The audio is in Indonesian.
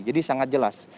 jadi sangat jelas